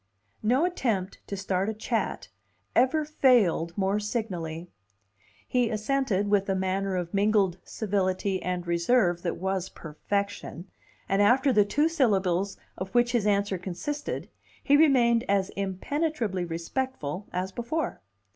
No attempt to start a chat ever failed more signally. He assented with a manner of mingled civility and reserve that was perfection, and after the two syllables of which his answer consisted, he remained as impenetrably respectful as before.